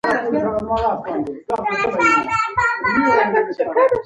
الله ج بنده ګانو ته د نرمۍ په چلند کولو سره امر کړی ده.